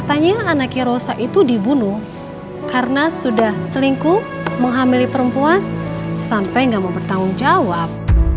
katanya anaknya rosa itu dibunuh karena sudah selingkuh menghamili perempuan sampai gak mau bertanggung jawab